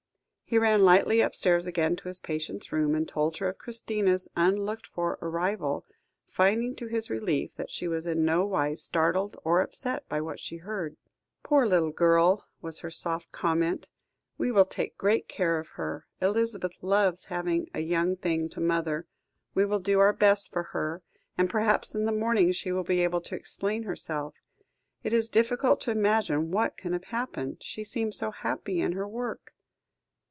He ran lightly upstairs again to his patient's room, and told her of Christina's unlooked for arrival, finding, to his relief, that she was in no wise startled or upset by what she heard. "Poor little girl," was her soft comment; "we will take great care of her. Elizabeth loves having a young thing to mother; we will do our best for her, and perhaps in the morning she will be able to explain herself. It is difficult to imagine what can have happened; she seemed to be so happy in her work."